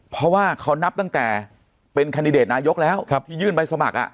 เพราะว่าเขานับตั้งแต่เป็นคันดิเดตนายกแล้วที่ยื่นใบสมัคร